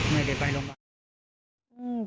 ไม่ได้ไปลงไป